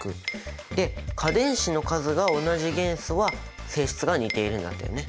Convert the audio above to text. で価電子の数が同じ元素は性質が似ているんだったよね。